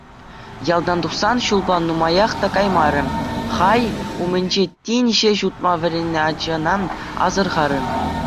Ялтан тухсан ҫулпа нумаях та каяймарӗ хӑй умӗнче тин ҫеҫ утма вӗреннӗ ачана асӑрхарӗ.